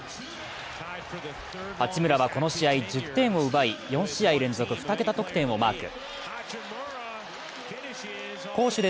八村はこの試合、１０点を奪い４試合連続２桁得点をマーク。